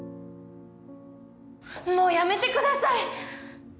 もうやめてください！